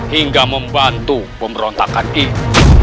hingga membantu pemberontakan ini